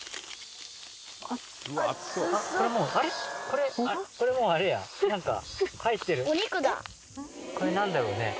これ何だろうね？